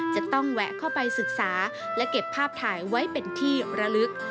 จะต้องแวะเข้าไปศึกษาและเก็บภาพถ่ายไว้เป็นที่ระลึก